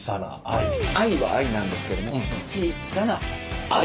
愛は愛なんですけども小さな愛。